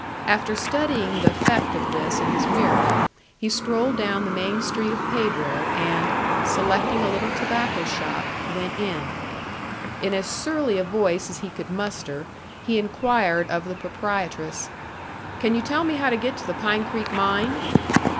After studying the effect of this in his mirror, he strolled down the main street of Pedro, and, selecting a little tobacco shop, went in. In as surly a voice as he could muster, he inquired of the proprietress, "Can you tell me how to get to the Pine Creek mine?"